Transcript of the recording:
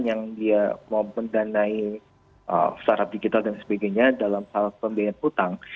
yang dia mau mendanai secara digital dan sebagainya dalam hal pembiayaan utang